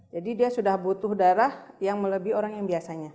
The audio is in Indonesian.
jadi dia sudah butuh darah yang melebihi orang yang biasanya